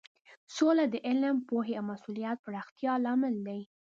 سوله د علم، پوهې او مسولیت پراختیا لامل دی.